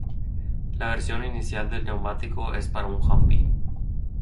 La versión inicial del neumático es para un Humvee.